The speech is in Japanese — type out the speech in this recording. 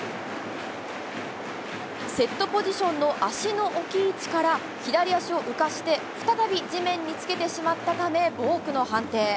セットポジションの足の置き位置から、左足を浮かせて、再び地面に着けてしまったため、ボークの判定。